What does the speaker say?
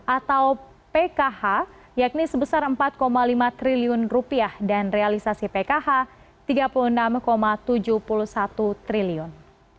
atau pkh yakni sebesar rp empat lima triliun dan realisasi pkh rp tiga puluh enam tujuh puluh satu triliun